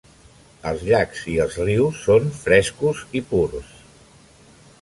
Els llacs i els rius són frescos i purs.